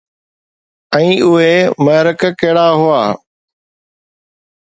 ۽ اهي محرڪ ڪهڙا هئا؟